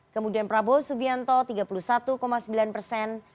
kemudian prabowo subianto tiga puluh satu sembilan persen